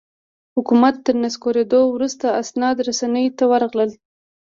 حکومت تر نسکورېدو وروسته اسناد رسنیو ته ورغلل.